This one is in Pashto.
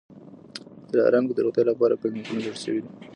په دلارام کي د روغتیا لپاره کلینیکونه جوړ سوي دي